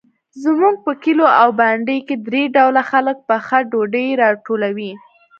زموږ په کلیو او بانډو کې درې ډوله خلک پخه ډوډۍ راټولوي.